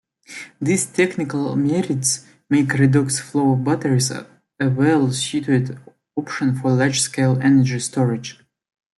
These technical merits make redox flow batteries a well-suited option for large-scale energy storage.